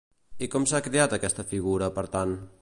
I com s'ha creat aquesta figura, per tant?